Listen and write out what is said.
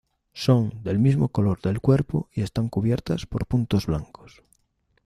Son del mismo color del cuerpo y están cubiertas por puntos blancos.